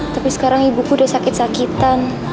tapi sekarang ibuku udah sakit sakitan